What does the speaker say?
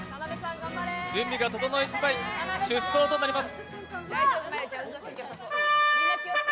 準備が整いしだい出走となります。